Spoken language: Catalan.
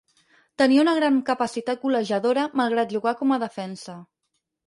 Tenia una gran capacitat golejadora malgrat jugar com a defensa.